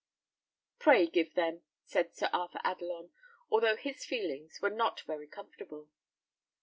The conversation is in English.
"Pray give them," said Sir Arthur Adelon, although his feelings were not very comfortable.